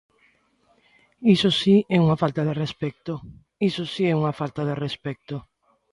Iso si é unha falta de respecto, iso si é unha falta de respecto.